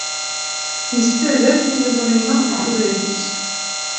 Yessader tiliẓri-nneɣ ɣer uderbuz.